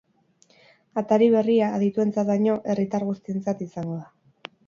Atari berria, adituentzat baino, herritar guztientzat izango da.